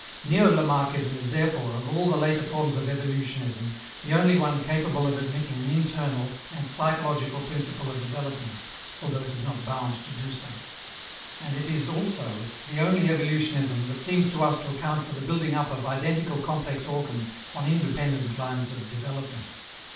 Neo Lamarckism is therefore, of all the later forms of evolutionism, the only one capable of admitting an internal and psychological principle of development, although it is not bound to do so. And it is also the only evolutionism that seems to us to account for the building up of identical complex organs on independent lines of development.